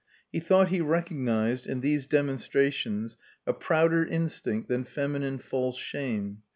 He thought he recognized in these demonstrations a prouder instinct than feminine false shame.